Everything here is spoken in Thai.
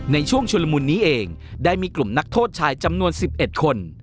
ในช่วงชุลมุนนี้เองได้มีกลุ่มนักโทษชายจำนวน๑๑คน